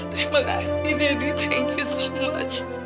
terima kasih daddy thank you so much